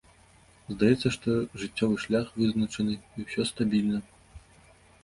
Здаецца, што жыццёвы шлях вызначаны, і ўсё стабільна.